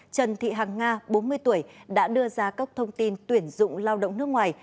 trần thị hàng nga bốn mươi tuổi đã đưa ra các thông tin tuyển dụng lao động nước ngoài